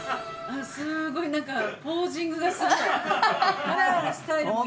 すごいなんかポージングがすごい。スタイルもいい。